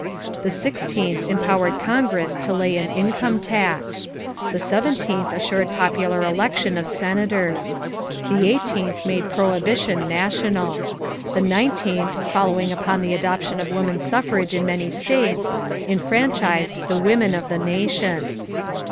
The sixteenth empowered Congress to lay an income tax. The seventeenth assured popular election of Senators. The eighteenth made prohibition national. The nineteenth, following upon the adoption of woman suffrage in many states, enfranchised the women of the nation.